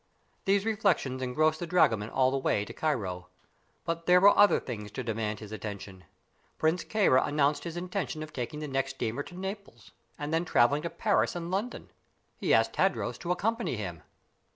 These reflections engrossed the dragoman all the way to Cairo; but there were other things to demand his attention. Prince Kāra announced his intention of taking the next steamer to Naples, and then traveling to Paris and London. He asked Tadros to accompany him.